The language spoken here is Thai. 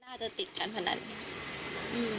น่าจะติดการพนันอืม